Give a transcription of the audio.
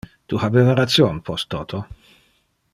Tu habeva ration, post toto.